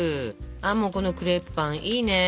ああもうこのクレープパンいいね！